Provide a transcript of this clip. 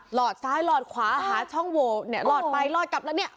หอดซ้ายหลอดขวาหาช่องโหวเนี่ยหลอดไปหลอดกลับแล้วเนี่ย